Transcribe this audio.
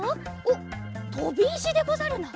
おっとびいしでござるな。